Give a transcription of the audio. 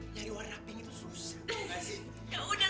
nyari warna pink itu susah